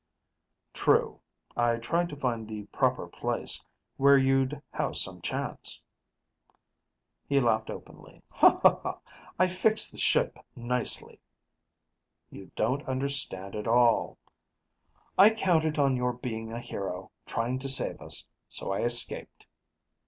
"True. I tried to find the proper place, where you'd have some chance." He laughed openly. "I fixed the ship nicely." "You don't understand at all " "I counted on your being a hero, trying to save us. So, I escaped."